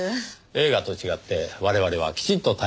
映画と違って我々はきちんと対応します。